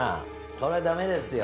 これはダメですよ